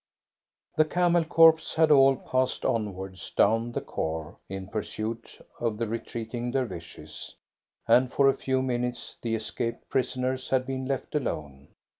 The Camel Corps had all passed onwards down the khor in pursuit of the retreating Dervishes, and for a few minutes the escaped prisoners had been left alone.